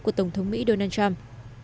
của tổng thống mỹ donald trump